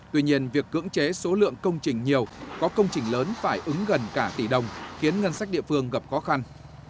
tuy nhiên việc cưỡng chế số lượng công trình nhiều có công trình lớn phải ứng gần cả tỷ đồng khiến ngân sách địa phương gặp khó khăn